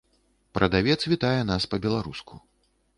Прадавец вітае нас па-беларуску.